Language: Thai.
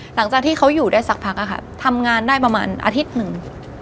หลังจากที่เขาอยู่ได้สักพักอะค่ะทำงานได้ประมาณอาทิตย์หนึ่ง